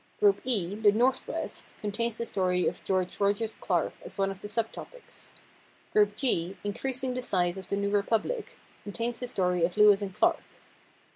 Group E, "The Northwest," contains the story of George Rogers Clark as one of the sub topics. Group G, "Increasing the Size of the New Republic," contains the story of Lewis and Clark.